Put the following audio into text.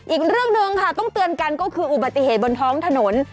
อีกเรื่องหนึ่งค่ะต้องเตือนกันก็คืออุบัติเหตุบนท้องถนน